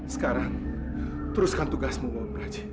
sekarang teruskan tugasmu mbak praji